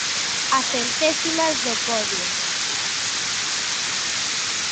A centésimas do podio.